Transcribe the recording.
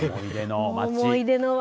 思い出の街。